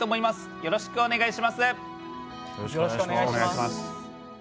よろしくお願いします。